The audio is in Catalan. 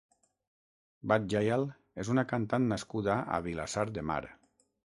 Bad Gyal és una cantant nascuda a Vilassar de Mar.